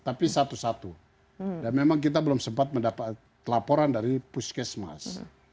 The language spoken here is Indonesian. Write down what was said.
tapi satu satu dan memang kita belum sempat mendapat laporan dari puskesmas